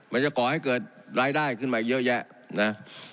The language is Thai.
จะก่อให้เกิดรายได้ขึ้นมาเยอะแยะนะ